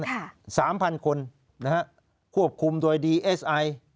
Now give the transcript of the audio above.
ค่ะสามพันคนนะฮะควบคุมโดยดีเอสไอ